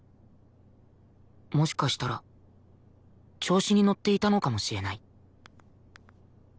もしかしたら調子にのっていたのかもしれない